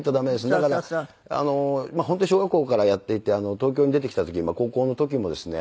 だから本当に小学校からやっていて東京に出てきた時高校の時もですね